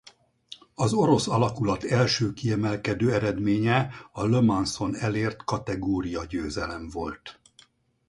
Az orosz alakulat első kiemelkedő eredménye a Le Mans-on elért kategória győzelem volt.